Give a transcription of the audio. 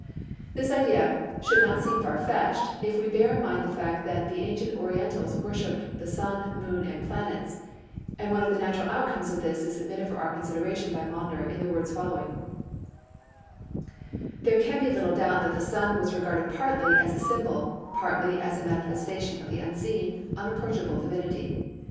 This idea should not seem far fetched if we bear in mind the fact that the ancient Orientals worshipped the Sun, Moon, and Planets; and one of the natural outcomes of this is submitted for our consideration by Maunder in the words following:— "There can be little doubt that the Sun was regarded partly as a symbol, partly as a manifestation of the unseen, unapproachable Divinity.